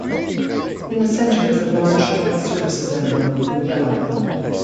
In the centre is a large joint services emblem in yellow.